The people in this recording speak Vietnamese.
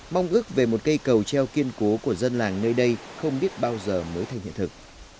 mong ước về một cây cầu treo kiên cố của dân làng nơi đây không biết bao giờ mới thành hiện thực